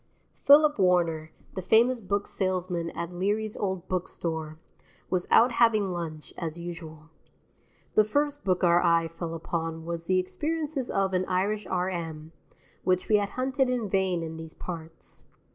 Philip Warner, the famous book salesman at Leary's Old Book Store, was out having lunch, as usual. The first book our eye fell upon was "The Experiences of an Irish R.M.," which we had hunted in vain in these parts.